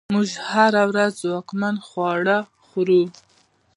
موږ هره ورځ ځواکمن خواړه خورو.